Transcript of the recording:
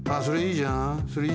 それいいじゃん。